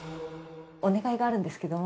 お願いがあるんですけども。